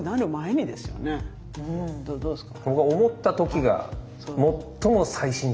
どうですか？